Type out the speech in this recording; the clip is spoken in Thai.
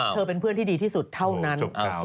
เธอเป็นเพื่อนที่ดีที่สุดเท่านั้น